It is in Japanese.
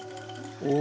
お！